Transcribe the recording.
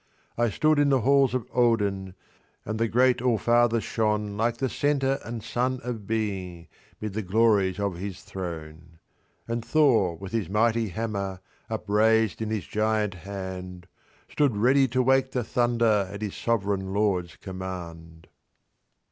I stood in the halls of Odin, and the great All Father shone THE PROPHECY OF VALA. Hi Like the centre and sun of Being, mid the glories of his throne ; And Tlior, with his mighty hammer, upraised in Ids giant hand, Stood ready to wake the thunder at his sovereign Lord s command.